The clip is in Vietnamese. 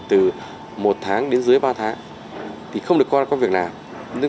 từ một tháng đến dưới ba tháng thì không được coi là có việc nào